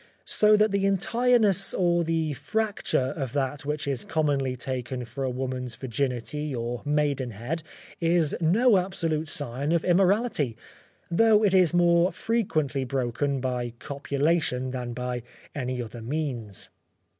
so that the entireness or the fracture of that which is commonly taken for a woman's virginity or maidenhead, is no absolute sign of immorality, though it is more frequently broken by copulation than by any other means.